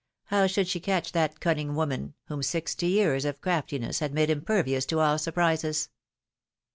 How should she catch that cunning woman, whom sixty years of craftiness had made impervious to all surprises